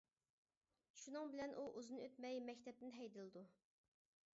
شۇنىڭ بىلەن ئۇ ئۇزۇن ئۆتمەي مەكتەپتىن ھەيدىلىدۇ.